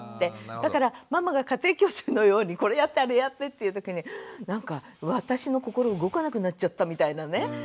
だからママが家庭教師のようにこれやってあれやってっていうときになんか私の心動かなくなっちゃったみたいなね。